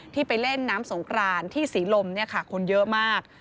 ไปเล่นน้ำสงกรานที่ศรีลมคนเยอะมาก